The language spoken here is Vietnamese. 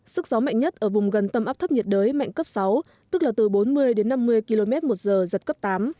sức gió mạnh nhất ở vùng gần tâm áp thấp nhiệt đới mạnh cấp sáu tức là từ bốn mươi đến năm mươi km một giờ giật cấp tám